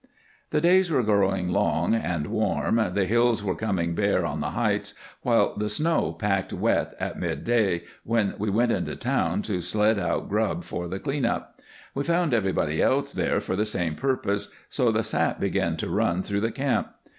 The days were growing long and warm, the hills were coming bare on the heights, while the snow packed wet at midday when we went into town to sled out grub for the clean up. We found everybody else there for the same purpose, so the sap began to run through the camp.